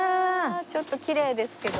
ちょっときれいですけど。